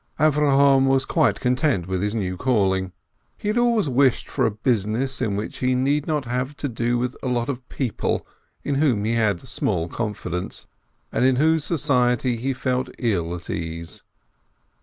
Avrohom was quite content with his new calling. He had always wished for a business in which he need not have to do with a lot of people in whom he had small con fidence, and in whose society he felt ill at ease.